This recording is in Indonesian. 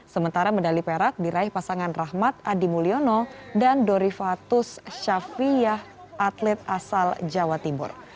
sementara medali perak diraih pasangan rahmat adi mulyono dan dorifatus syafiyah atlet asal jawa timur